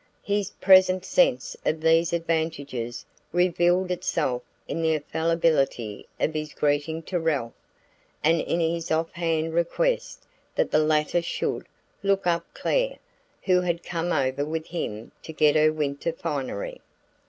His present sense of these advantages revealed itself in the affability of his greeting to Ralph, and in his off hand request that the latter should "look up Clare," who had come over with him to get her winter finery.